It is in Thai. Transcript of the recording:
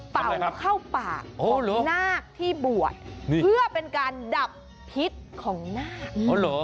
เป่าเข้าปากนาคที่บวชเพื่อเป็นการดับพิษของนาค